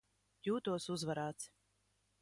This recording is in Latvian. Jūtos uzvarēts.